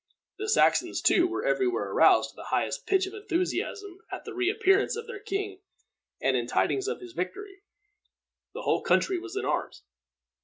The Saxons, too, were every where aroused to the highest pitch of enthusiasm at the reappearance of their king and the tidings of his victory. The whole country was in arms.